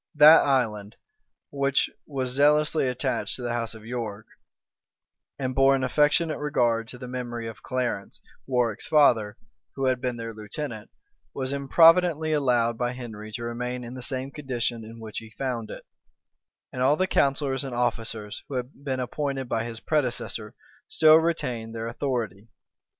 That island, which was zealously attached to the house of York, and bore an affectionate regard to the memory of Clarence, Warwick's father, who had been their lieutenant, was improvidently allowed by Henry to remain in the same condition in which he found it; and all the counsellors and officers, who had been appointed by his predecessor, still retained their authority.